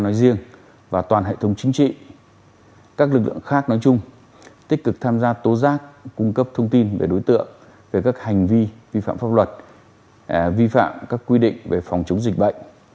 nói riêng và toàn hệ thống chính trị các lực lượng khác nói chung tích cực tham gia tố giác cung cấp thông tin về đối tượng về các hành vi vi phạm pháp luật vi phạm các quy định về phòng chống dịch bệnh